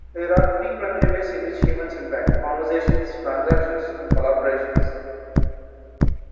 There are three primary ways in which humans interact: conversations, transactions, and collaborations.